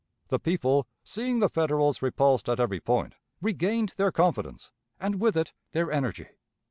The people, seeing the Federals repulsed at every point, regained their confidence, and with it their energy.